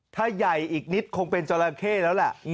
ถ้าใหญ่อีกนิดคงเป็นจราเข้แล้วแหละ